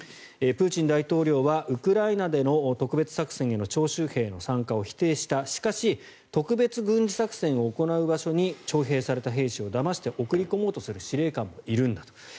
プーチン大統領はウクライナでの特別作戦への徴集兵の参加を否定したしかし特別軍事作戦を行う場所に徴兵された兵士をだまして送り込もうとする司令官もいるんだと。